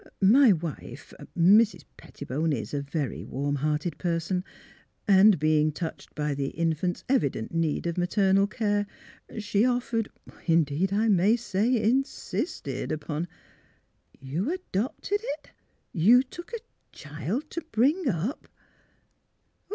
My wife — er — Mrs. Pet tibone is a very warm hearted person, and, being touched by the infant's evident need of mater nal care, she offered, indeed I may say insisted upon "" You adopted itf You took a child to — to bring up?